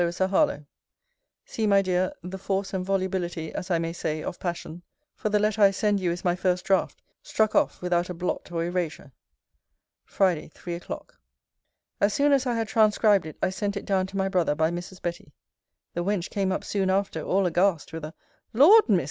HARLOWE See, my dear, the force, and volubility, as I may say, of passion; for the letter I send you is my first draught, struck off without a blot or erasure. FRIDAY, THREE O'CLOCK As soon as I had transcribed it, I sent it down to my brother by Mrs. Betty. The wench came up soon after, all aghast, with a Laud, Miss!